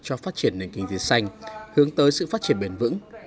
cho phát triển nền kinh tế xanh hướng tới sự phát triển bền vững